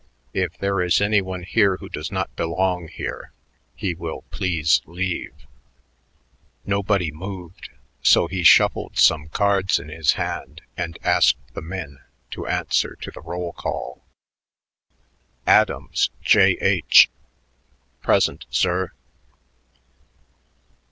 "If there is any one here who does not belong here, he will please leave." Nobody moved; so he shuffled some cards in his hand and asked the men to answer to the roll call. "Adams, J.H." "Present, sir."